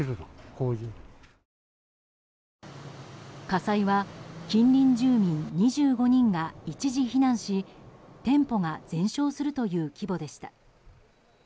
火災は近隣住民２５人が一時避難し店舗が全焼するという規模でした。